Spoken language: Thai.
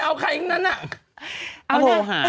เอาใครอย่างนั้น